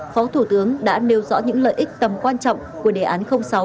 phó thủ tướng đã nêu rõ những lợi ích tầm quan trọng của đề án sáu